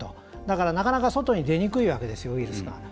だから、なかなか外に出にくいわけです、ウイルスが。